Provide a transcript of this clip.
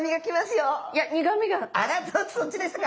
あらそっちでしたか。